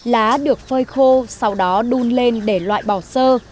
lá được phơi khô sau đó đun lên để loại bò xơ